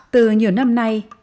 từ nhiều năm nay